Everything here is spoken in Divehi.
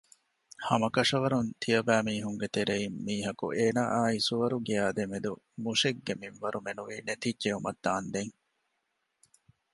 ހަމަކަށަވަރުން ތިޔަބައިމީހުންގެ ތެރެއިން މީހަކު އޭނާއާއި ސުވަރުގެއާ ދެމެދު މުށެއްގެ މިންވަރު މެނުވީ ނެތިއްޖައުމަށް ދާންދެން